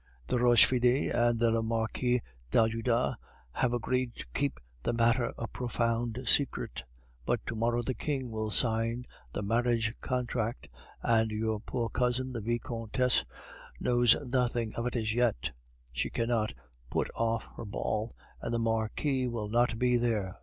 The Rochefides and the Marquis d'Ajuda have agreed to keep the matter a profound secret, but to morrow the king will sign the marriage contract, and your poor cousin the Vicomtesse knows nothing of it as yet. She cannot put off her ball, and the Marquis will not be there.